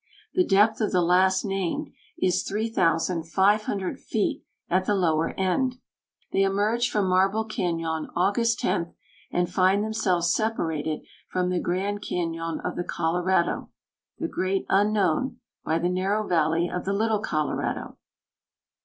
The depth of the last named is three thousand five hundred feet at the lower end. They emerge from Marble Cañon August 10, and find themselves separated from the Grand Cañon of the Colorado, the "Great Unknown," by the narrow valley of the Little Colorado.